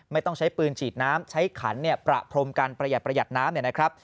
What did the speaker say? ไม่ต้องใช้ปืนฉีดน้ำใช้ขันประพรมกันประหยัดประหยัดน้ำเนี่ยนะครับ